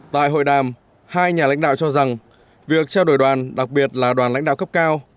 tại hội đàm hai nhà lãnh đạo cho rằng việc trao đổi đoàn đặc biệt là đoàn lãnh đạo cấp cao